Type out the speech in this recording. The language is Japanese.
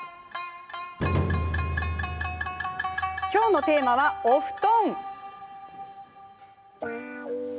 今日のテーマは、お布団。